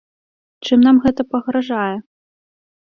Чым нам гэта пагражае?